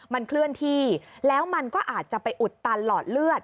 มันเคลื่อนที่แล้วมันก็อาจจะไปอุดตันหลอดเลือด